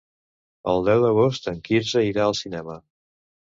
El deu d'agost en Quirze irà al cinema.